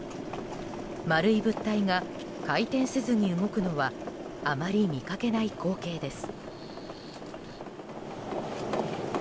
丸い物体が回転せずに動くのはあまり見かけない光景です。